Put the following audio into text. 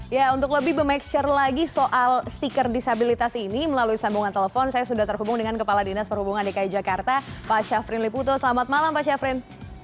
ya untuk lebih memaksure lagi soal stiker disabilitas ini melalui sambungan telepon saya sudah terhubung dengan kepala dinas perhubungan dki jakarta pak syafrin liputo selamat malam pak syafrin